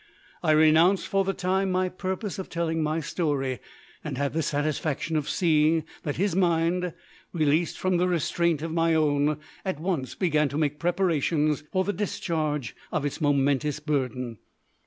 I renounced for the time my purpose of telling my story, and had the satisfaction of seeing that his mind, released from the restraint of my own, at once began to make preparations for the discharge of its momentous burden.